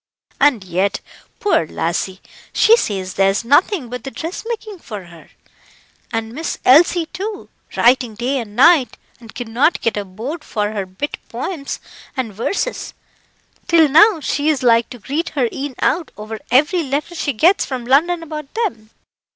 And yet, poor lassie, she says there's nothing but the dressmaking for her. And Miss Elsie, too, writing day and night, and cannot get a bode for her bit poems and verses, till now she is like to greet her een out over every letter she gets from London about them.